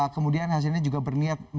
kemudian hasnani juga berniat mengubahkan